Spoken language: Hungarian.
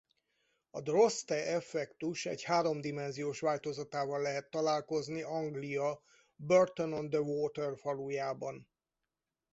A Droste-effektus egy háromdimenziós változatával lehet találkozni Anglia Bourton-on-the-Water falujában.